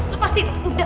lepas itu udah